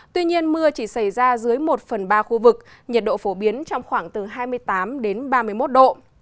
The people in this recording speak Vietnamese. tuy nhiên mưa chỉ xảy ra dưới một phần ba khu vực nhiệt độ phổ biến trong khoảng từ hai mươi tám đến ba mươi một độ